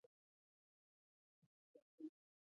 افغانستان کې د نورستان په اړه زده کړه کېږي.